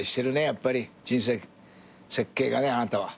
やっぱり人生設計がねあなたは。